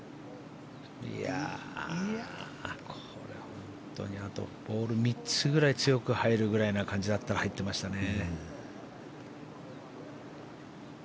これ、本当にボール３つぐらい強く打つ感じだったら入ってましたね。